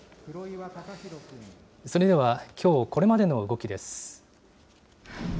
それでは、きょうこれまでの動きです。